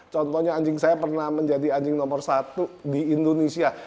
contohnya anjing saya pernah menjadi anjing nomor satu di indonesia